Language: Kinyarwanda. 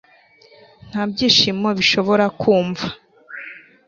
nta byishimo bishobora kumva